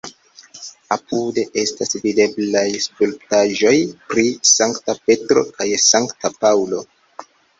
Apude estas videblaj skulptaĵoj pri Sankta Petro kaj Sankta Paŭlo.